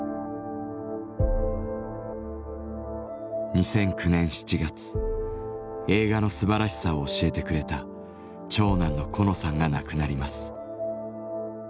２００９年７月映画のすばらしさを教えてくれた長男のコノさんが亡くなります。